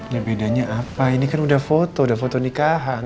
nah bedanya apa ini kan udah foto udah foto nikahan